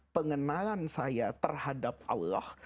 pengenalan saya terhadap allah